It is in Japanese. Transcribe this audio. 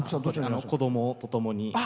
子どもとともに。